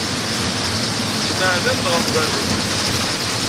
Smeɛnen-d ɣef berru.